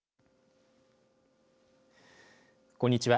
こんにちは。